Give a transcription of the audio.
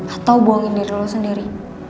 atau bohongin diri lo sendiri